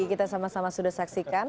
kita sama sama sudah saksikan